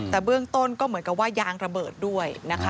แต่เบื้องต้นก็เหมือนกับว่ายางระเบิดด้วยนะคะ